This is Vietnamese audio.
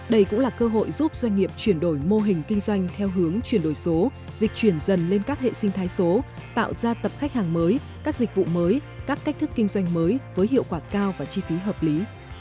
đây cũng là cơ hội giúp doanh nghiệp chuyển đổi mô hình kinh doanh theo hướng chuyển đổi số dịch chuyển dần lên các hệ sinh thái số tạo ra tập khách hàng mới các dịch vụ mới các cách thức kinh doanh mới với hiệu quả cao và chi phí hợp lý